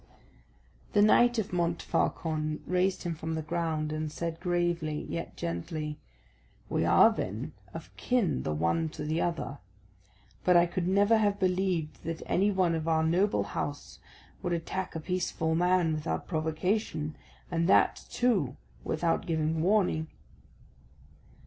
The Knight of Montfaucon raised him from the ground, and said gravely, yet gently, "We are, then, of kin the one to the other; but I could never have believed that any one of our noble house would attack a peaceful man without provocation, and that, too, without giving warning."